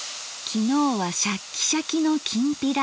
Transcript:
昨日はシャッキシャキのきんぴら。